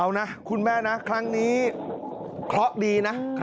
เอานะคุณแม่นะครั้งนี้เคราะห์ดีนะ